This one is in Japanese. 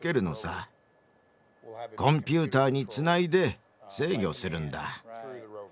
コンピューターにつないで制御するんだ。